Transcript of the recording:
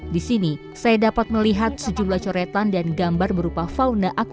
di sini saya dapat melihat sejumlah coretan dan gambar berupa fauna akuatik perahu dan perahu